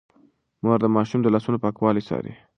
مور د ماشوم د لاسونو پاکوالی څاري.